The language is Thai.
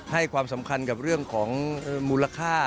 ให้ความสำคัญกับเรื่องของมูลค่า